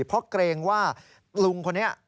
เพราะเกรงว่าลุงคนนี้